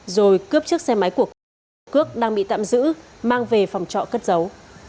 rồi cướp chiếc xe máy của cước đang bị tạm giữ mang về phòng trọ cất giấu